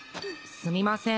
すみません